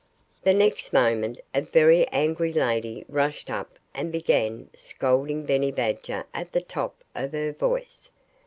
The next moment a very angry lady rushed up and began scolding Benny Badger at the top of her voice.